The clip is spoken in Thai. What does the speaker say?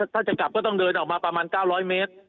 ถ้าจะกลับก็ต้องเดินออกมาประมาณ๙๐๐เมตร